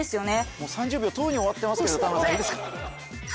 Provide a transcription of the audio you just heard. もう３０秒とうに終わってますけど田村さんいいですか？